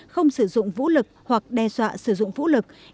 không sử dụng vũ lực hoặc đe dọa sử dụng vũ lực